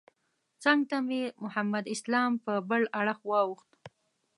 څنګ ته مې محمد اسلام په بل اړخ واوښت.